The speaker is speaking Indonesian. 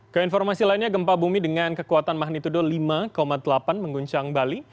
keinformasi lainnya gempa bumi dengan kekuatan magnitudo lima delapan mengguncang bali